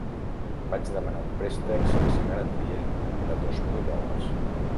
Vaig demanar un préstec sense garantia de dos mil dòlars.